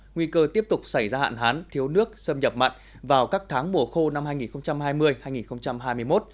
nguy cơ tiếp tục xảy ra hạn hán thiếu nước xâm nhập mặn vào các tháng mùa khô năm hai nghìn hai mươi hai nghìn hai mươi một